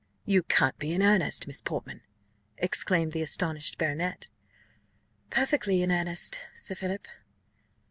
"You can't be in earnest, Miss Portman!" exclaimed the astonished baronet. "Perfectly in earnest, Sir Philip."